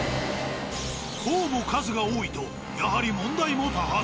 こうも数が多いとやはり問題も多発。